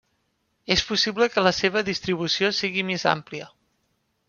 És possible que la seva distribució sigui més àmplia.